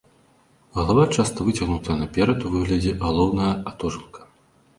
Галава часта выцягнутая наперад у выглядзе галаўнога атожылка.